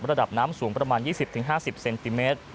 ระดับน้ำสูงประมาณ๒๐๕๐เซนติเมตร